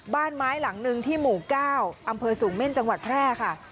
บ้านไม้หลังหนึ่งที่หมู่๙อำเภอสูงเม่นจังหวัดแพร่ค่ะ